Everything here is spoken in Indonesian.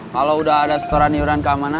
kalau sudah ada setoran iuran keamanan